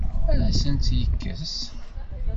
Ad asent-tt-yekkes?